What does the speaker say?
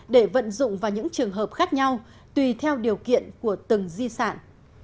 để vận dụng vào những trường hợp khác nhau tùy theo điều kiện của từng di sản